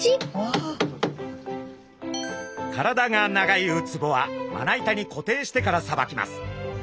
体が長いウツボはまな板に固定してからさばきます。